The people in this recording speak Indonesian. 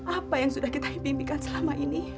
apa yang sudah kita bimbikan selama ini